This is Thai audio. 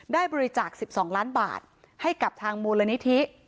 ได้บริจาค๑๒ล้านบาทให้กับทางมูลนิธิ